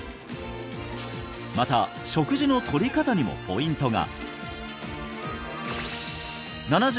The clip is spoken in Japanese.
また食事の取り方にもポイントが！